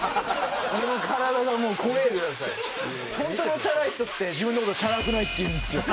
ホントのチャラい人って自分の事チャラくないって言うんですよ。